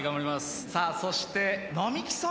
さあそして。